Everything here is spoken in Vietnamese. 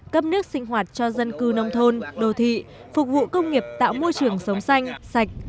cấp nước sinh hoạt cho dân cư nông thôn đồ thị phục vụ công nghiệp tạo môi trường sống xanh sạch